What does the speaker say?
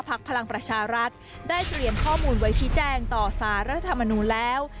พลังประชารัฐได้เตรียมข้อมูลไว้ชี้แจงต่อสารรัฐธรรมนูลแล้ว